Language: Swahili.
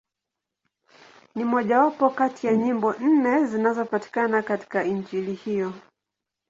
Ni mmojawapo kati ya nyimbo nne zinazopatikana katika Injili hiyo.